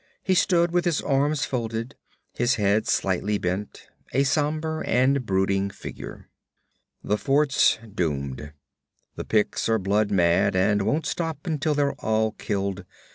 He stood with his arms folded, his head slightly bent, a somber and brooding figure. 'The fort's doomed. The Picts are blood mad, and won't stop until they're all killed.